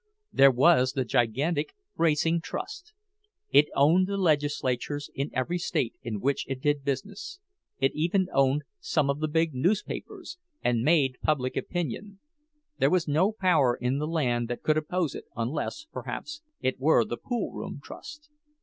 There was the gigantic Racing Trust. It owned the legislatures in every state in which it did business; it even owned some of the big newspapers, and made public opinion—there was no power in the land that could oppose it unless, perhaps, it were the Poolroom Trust.